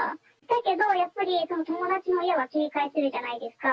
だけどやっぱり、その友達の家は警戒するじゃないですか。